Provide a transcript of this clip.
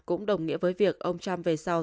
cũng đồng nghĩa với việc ông trump về sau